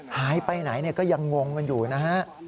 หายไปไหนก็ยังงงกันอยู่นะฮะ